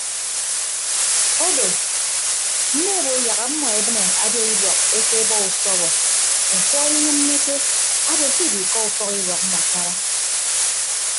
Odo mme bo yak ọmmọ ebịne abia ibọk ekebọ usọbọ ufuọd inyịmmeke abo ke ibiika ufọk ibọk mbakara.